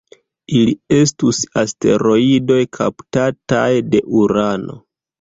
Ili estus asteroidoj kaptataj de Urano.